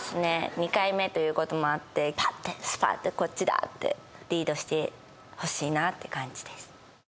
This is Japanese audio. ２回目ということもあってパッてスパッてこっちだ！ってリードして欲しいなって感じです